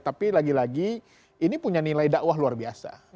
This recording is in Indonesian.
tapi lagi lagi ini punya nilai dakwah luar biasa